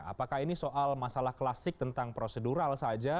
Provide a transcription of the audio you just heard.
apakah ini soal masalah klasik tentang prosedural saja